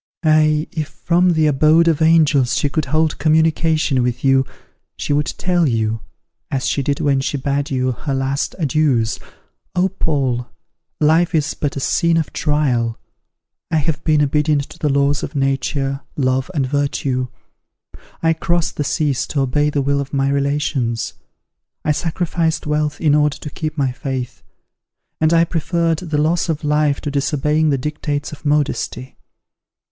Ah! if from the abode of angels she could hold communication with you, she would tell you, as she did when she bade you her last adieus, 'O, Paul! life is but a scene of trial. I have been obedient to the laws of nature, love, and virtue. I crossed the seas to obey the will of my relations; I sacrificed wealth in order to keep my faith; and I preferred the loss of life to disobeying the dictates of modesty.